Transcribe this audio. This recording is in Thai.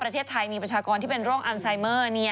ประเทศไทยมีประชากรที่เป็นโรคอัลไซเมอร์